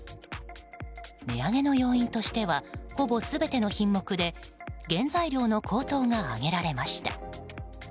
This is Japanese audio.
値上げの要因としてはほぼ全ての品目で原材料の高騰が挙げられました。